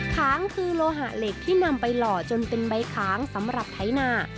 ค้างคือโลหะเหล็กที่นำไปหล่อจนเป็นใบค้างสำหรับไถนา